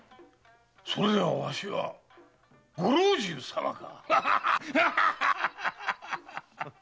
それではわしはご老中様か？